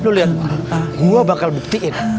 lu lihat gua bakal buktiin